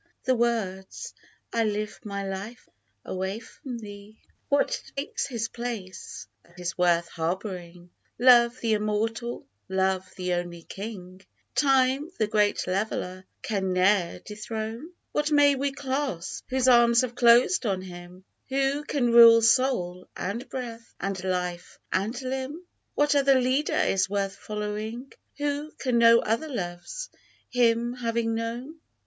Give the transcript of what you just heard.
The words, " I live my life away from thee I ""/ Live my Life away from Thee /" 71 What takes his place, that is worth harbouring, Love the Immortal, Love, the only King Time, the great leveller, can ne'er dethrone ? What may we clasp, whose arms have closed on him Who can rule soul, and breath, and life, and limb ? What other leader is worth following ? Who can know other loves, him having known